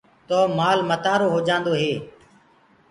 تو مآل متآرو هو جآندو هي۔